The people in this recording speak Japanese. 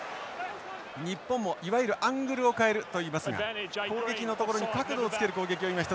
日本もいわゆるアングルを変えるといいますが攻撃のところに角度をつける攻撃を今一つ見せてきました。